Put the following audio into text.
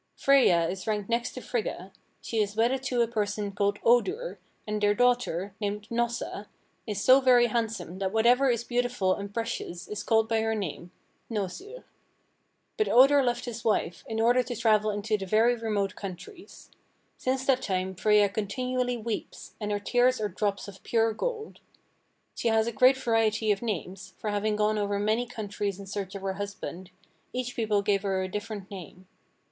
Freyja is ranked next to Frigga: she is wedded to a person called Odur, and their daughter, named Hnossa, is so very handsome that whatever is beautiful and precious is called by her name (hnosir.) But Odur left his wife in order to travel into very remote countries. Since that time Freyja continually weeps, and her tears are drops of pure gold. She has a great variety of names, for having gone over many countries in search of her husband, each people gave her a different name.